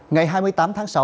ngày hai mươi tám tháng sáu